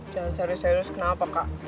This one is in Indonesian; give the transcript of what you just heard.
yang serius serius kenapa kak